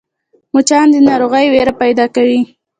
مچان د ناروغۍ وېره پیدا کوي